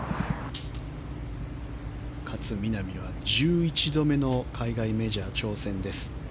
勝みなみは１１度目の海外メジャー挑戦です。